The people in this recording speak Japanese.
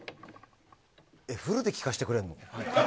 え、フルで聴かせてくれるの？